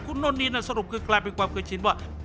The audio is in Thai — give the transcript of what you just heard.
คุณนนนี่น่ะสรุปคือกลายเป็นความเคยชินว่า